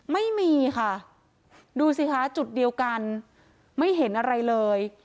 ไม่มีค่ะดูสิคะจุดเดียวกันไม่เห็นอะไรเลย